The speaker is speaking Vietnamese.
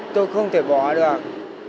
tôi không thể bỏ được